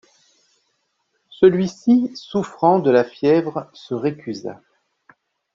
Celui-ci souffrant de la fièvre se récusa.